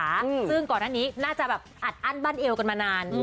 ซึ่งก่อนหน้านี้น่าจะแบบอัดอั้นบั้นเอวกันมานาน